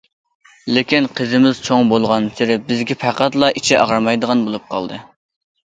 لېكىن قىزىمىز چوڭ بولغانسېرى بىزگە پەقەتلا ئىچى ئاغرىمايدىغان بولۇپ قالدى.